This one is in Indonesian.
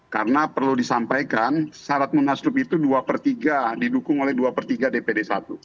karena perlu disampaikan syarat munasabah itu dua per tiga didukung oleh dua per tiga dpd satu